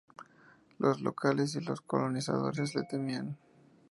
Los locales y los colonizadores le temían.